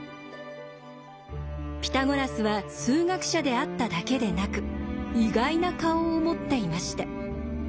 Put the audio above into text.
ピタゴラスは数学者であっただけでなく意外な顔を持っていました。